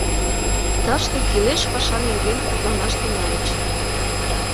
Тыште кӱлеш паша нерген мутланаш тӱҥальыч.